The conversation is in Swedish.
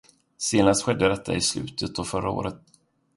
Senast skedde detta i slutet av förra året.